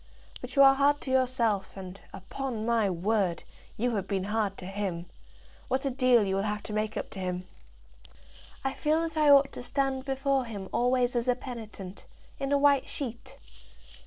But you are hard to yourself, and, upon my word, you have been hard to him. What a deal you will have to make up to him!" "I feel that I ought to stand before him always as a penitent, in a white sheet."